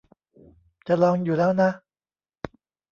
จะลองอยู่แล้วนะ